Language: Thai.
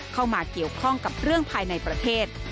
เข้ามาเกี่ยวข้องกับเรื่องภายในประเทศ